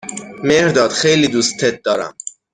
مهرداد خیلی دوستت دارم.